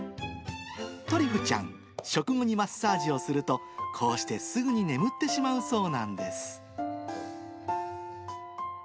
トリュフちゃん、食後にマッサージをすると、こうしてすぐに眠ってしまうそうなんです。